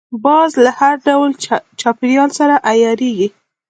باز له هر ډول چاپېریال سره عیارېږي